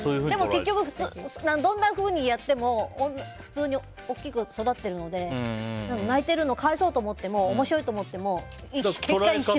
でも結局、どんなふうにやっても普通に大きく育っているので泣いてるのが可哀想と思っても面白いと思っても結果は一緒。